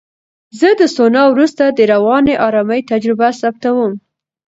زه د سونا وروسته د رواني آرامۍ تجربه ثبتوم.